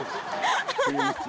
ハハハ！